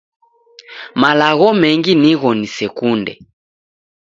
Malogho mengi nigho nisekunde